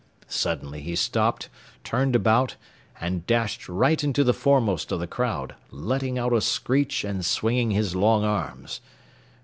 Suddenly he stopped, turned about, and dashed right into the foremost of the crowd, letting out a screech and swinging his long arms.